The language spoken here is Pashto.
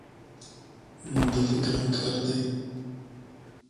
موندل یې ګران کار دی .